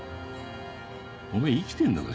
おめぇ生きてんのか？